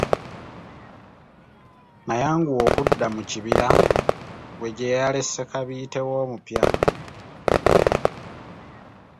N'ayanguwa okudda mu kibira we gyeyalese kabiite we omupya.